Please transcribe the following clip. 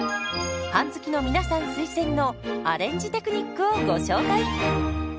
パン好きの皆さん推薦のアレンジテクニックをご紹介。